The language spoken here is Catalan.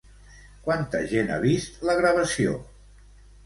Quanta gent ha vist la gravació?